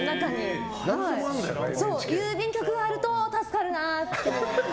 郵便局はあると助かるな。